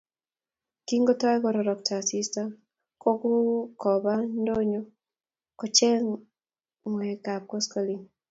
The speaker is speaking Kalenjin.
Kingotoi kororokto asista kokue Koba ndonyo kocheng ngwekab koskoleny